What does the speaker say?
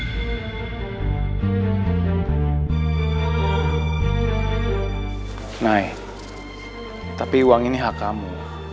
karena kamu sudah menyelesaikan apa yang sudah menjadi kewajiban kamu